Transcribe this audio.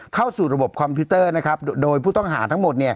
เข้าสู่ระบบคอมพิวเตอร์นะครับโดยผู้ต้องหาทั้งหมดเนี่ย